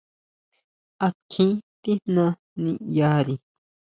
¿A kjín tijná niʼyari!